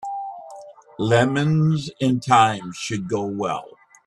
Lemons and thyme should go well.